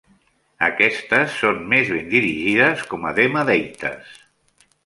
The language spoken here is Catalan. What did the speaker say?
Aquestes són més ben dirigides com a Dema Deites.